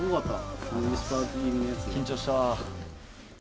緊張した。